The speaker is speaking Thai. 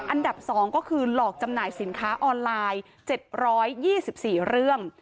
อันดับ๒ก็คือหลอกจำหน่ายสินค้าออนไลน์๗๒๔เรื่อง